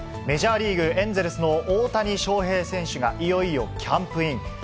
メジャーリーグ・エンゼルスの大谷翔平選手が、いよいよキャンプイン。